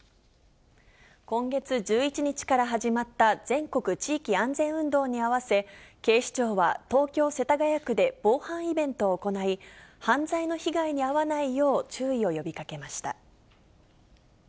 今月１１日から始まった全国地域安全運動に合わせ、警視庁は東京・世田谷区で防犯イベントを行い、犯罪の被害に遭わないよう、注意を呼びかけました。